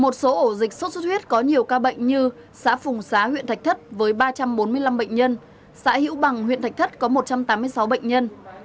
một số ổ dịch sốt xuất huyết có nhiều ca bệnh như xã phùng xá huyện thạch thất với ba trăm bốn mươi năm bệnh nhân xã hữu bằng huyện thạch thất có một trăm tám mươi sáu bệnh nhân